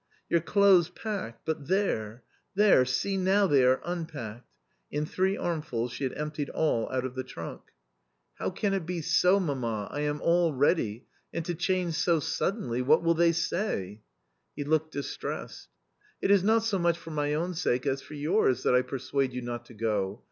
"Your clothes packed, but there !— there !— see, now they are unpacked." In three armfuls she had emptied all out of the trunk. A COMMON STORY 7 " How can it be so, mamma ? I am all ready — and to change so suddenly — what will they say ?" He looked distressed. " It is not so much for my own sake as for yours, that I persuade you not to go.